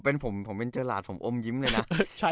โอ้ผมเป็นเจอหลาดผมโอ้มยิ้มเลยนะ